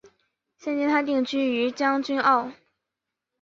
现今她定居于将军澳。